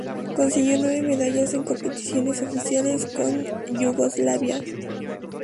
Consiguió nueve medallas en competiciones oficiales con Yugoslavia.